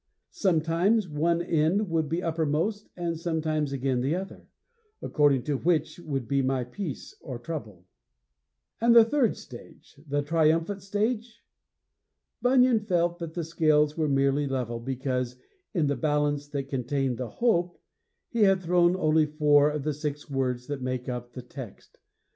Sometimes one end would be uppermost and sometimes again the other; according to which would be my peace or trouble.' And the third stage the triumphant stage? Bunyan felt that the scales were merely level because, in the balance that contained the hope, he had thrown only four of the six words that make up the text.